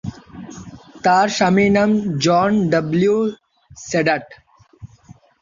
তার স্বামীর নাম জন ডাব্লিউ সেডাট।